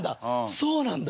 そうなんだ。